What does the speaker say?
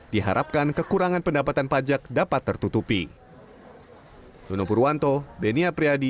diharapkan kekurangan pendapatan pajak dapat tertutupi